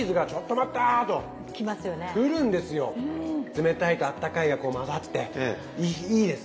冷たいとあったかいがこう混ざっていいです